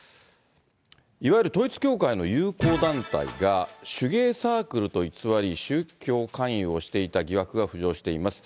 いわゆる統一教会の友好団体が、手芸サークルと偽り、宗教勧誘をしていた疑惑が浮上しています。